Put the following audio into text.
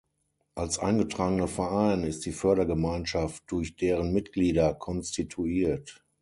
Als eingetragener Verein ist die Fördergemeinschaft durch deren Mitglieder konstituiert.